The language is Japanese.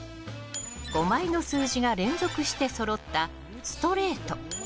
５枚の数字が連続してそろったストレート。